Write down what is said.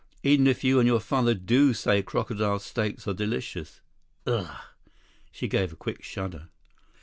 "Even if you and your father do say crocodile steaks are delicious. Ugh!" She gave a quick shudder.